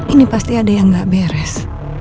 ini pasti ada yang gak beres